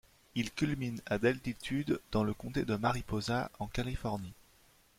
Il culmine à d'altitude dans le comté de Mariposa, en Californie.